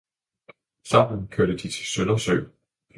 Sammen kørte de til Søndersø